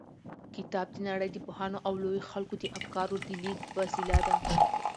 کتاب د نړۍ د پوهانو او لويو خلکو د افکارو د لېږد وسیله ده.